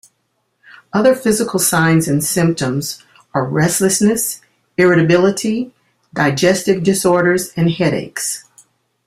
Other physical signs and symptoms are restlessness, irritability, digestive disorders, and headaches.